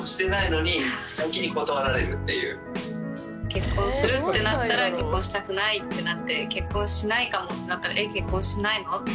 結婚するってなったら結婚したくないってなって結婚しないかもってなったらえっ？